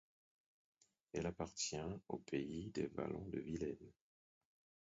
Elle appartient au Pays des Vallons de Vilaine.